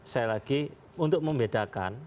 saya lagi untuk membedakan